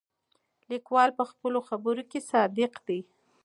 لیکوال په خپلو خبرو کې صادق دی.